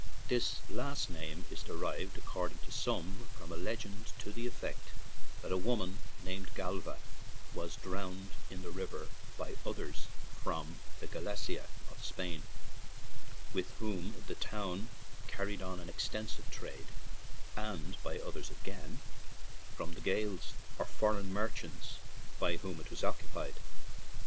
This last name is derived, accord ing to some, from a legend to the effect that a woman named Galva was drowned in the river hard by; by others, from 95 ON AN IRISH JAUNTING CAR the Gallaeci of Spain, with whom the town carried on an extensive trade; and by others, again, from the Gaels, or for eign merchants, by whom it was occupied.